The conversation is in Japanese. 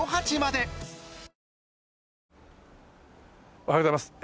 おはようございます。